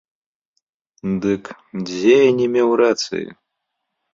Дык дзе я не меў рацыі?